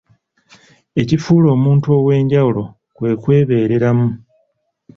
Ekifuula omuntu ow’enjawulo kwe kwebeereramu.